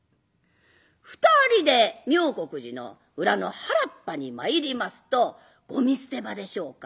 ２人で妙国寺の裏の原っぱに参りますとごみ捨て場でしょうか。